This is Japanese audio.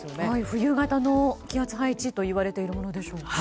冬型の気圧配置といわれるものでしょうか。